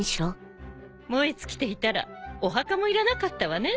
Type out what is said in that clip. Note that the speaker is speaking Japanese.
燃え尽きていたらお墓もいらなかったわね。